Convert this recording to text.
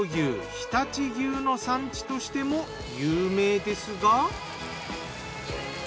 常陸牛の産地としても有名ですが。